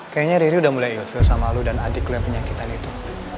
kayaknya riri udah mulai ilfil sama lo dan adik lo yang penyakitan itu